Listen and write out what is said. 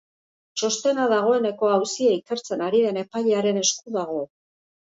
Txostena dagoeneko auzia ikertzen ari den epailearen esku dago.